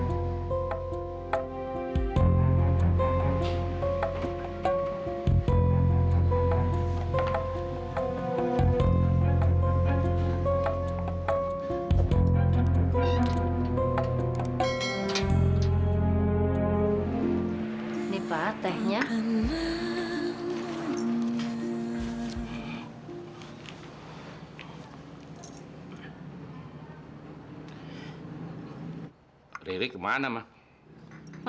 iri iri tunggu tunggu